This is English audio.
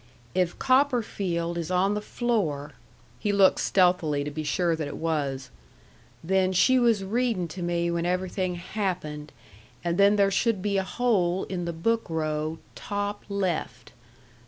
If COPPERFIELD is on the floor" (he looked stealthily to be sure that it was), "then she was readin' to me when everything happened, and then there should be a hole in the book row, top, left.